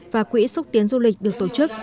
và quỹ xúc tiến du lịch được tổ chức